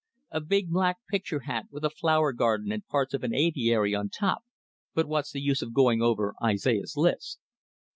A big black picture hat, with a flower garden and parts of an aviary on top but what's the use of going over Isaiah's list?